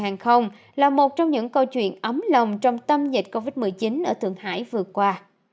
hàng không là một trong những câu chuyện ấm lòng trong tâm dịch covid một mươi chín ở thượng hải vừa qua